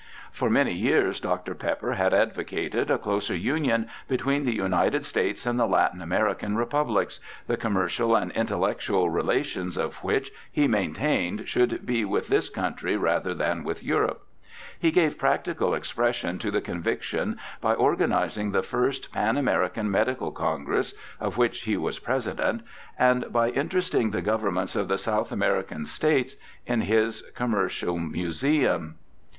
For many years Dr. Pepper had advocated a closer union between the United States and the Latin American republics, the commercial and intellectual relations of which he maintained should be with this country rather than with Europe. He gave practical expression to the conviction by organizing the first Pan American Medical Congress (of which he was President), and by interesting the governments of the South American States in his Commercial Museum.